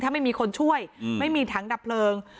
ถ้าไม่มีคนช่วยไม่มีถังดับเพลิง